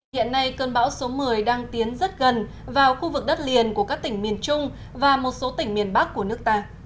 hiện nay cơn bão số một mươi đang tiến rất gần vào khu vực đất liền của các tỉnh miền trung và một số tỉnh miền bắc của nước ta